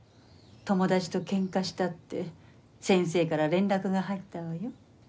友達と喧嘩したって先生から連絡が入ったわよ。